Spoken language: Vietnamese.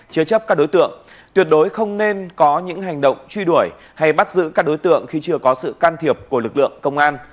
chứa chấp các đối tượng tuyệt đối không nên có những hành động truy đuổi hay bắt giữ các đối tượng khi chưa có sự can thiệp của lực lượng công an